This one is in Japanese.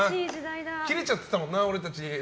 キレちゃってたもんな、俺たち。